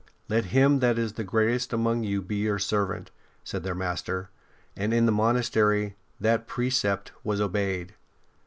'' Let him that is the greatest among you be your servant," said their Master, and in the monastery that precept was obeyed.